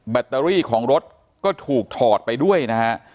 แบตเตอรี่ของรถก็ถูกถอดไปด้วยนะครับ